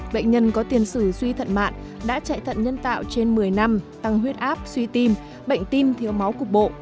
bệnh nhân có tiền sử suy thận mạng đã chạy thận nhân tạo trên một mươi năm tăng huyết áp suy tim bệnh tim thiếu máu cục bộ